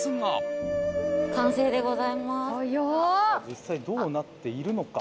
実際どうなっているのか。